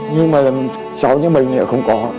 nhưng mà cháu như mình thì không có